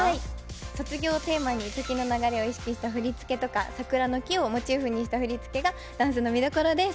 卒業をテーマに時の流れを意識した振り付けとか、桜の木をモチーフにした振り付けがダンスの見どころです。